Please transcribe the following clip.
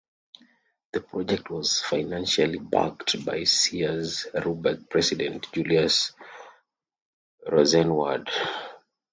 The project was financially backed by Sears Roebuck president Julius Rosenwald.